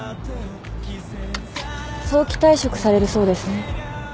早期退職されるそうですね。